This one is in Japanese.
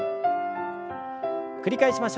繰り返しましょう。